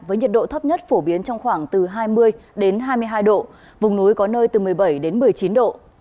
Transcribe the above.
với nhiệt độ thấp nhất phổ biến trong khoảng từ hai mươi hai mươi hai độ vùng núi có nơi từ một mươi bảy đến một mươi chín độ